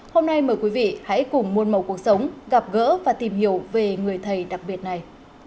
hôm nay mời quý vị hãy cùng môn màu cuộc sống gặp gỡ và tìm hiểu về người thầy đặc biệt này